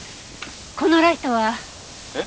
このライトは？えっ？